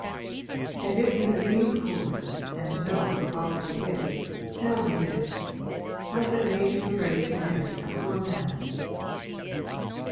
'And if you have been poor and know what poverty is tell me this: has it made you afraid to marry a poor man?'